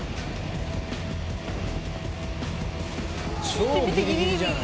超ギリギリじゃない。